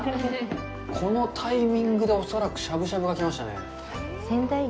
このタイミングで恐らくしゃぶしゃぶが来ましたね。